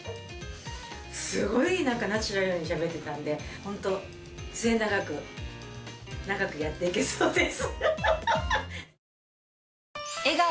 すごいナチュラルにしゃべってたんでホント末永く仲良くやっていけそうです。